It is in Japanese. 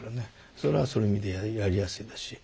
それはそういう意味ではやりやすいですし。